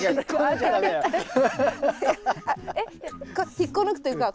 引っこ抜くというか